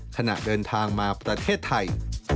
ขณะเดินทางมาประเทศไทย